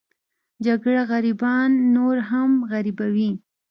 جګړه غریبان نور هم غریبوي